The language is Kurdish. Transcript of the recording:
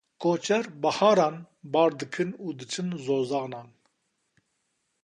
Koçer biharan bar dikin û diçin zozanan.